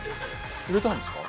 売れたんですか？